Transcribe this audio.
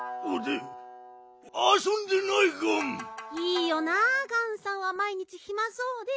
いいよなガンさんはまい日ひまそうで。